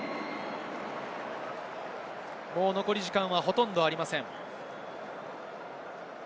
残り時間はほとんどありません。